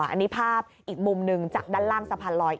อันนี้ภาพอีกมุมหนึ่งจากด้านล่างสะพานลอย